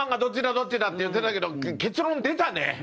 どっちだ？って言ってたけど、結論、出たね。